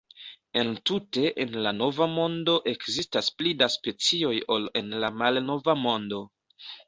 Entute en la Nova Mondo ekzistas pli da specioj ol en la Malnova Mondo.